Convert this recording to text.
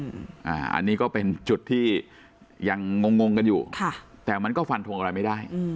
อืมอ่าอันนี้ก็เป็นจุดที่ยังงงงกันอยู่ค่ะแต่มันก็ฟันทวงอะไรไม่ได้อืม